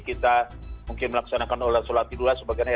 kita mungkin melaksanakan olahraga sholat idul lah sebagainya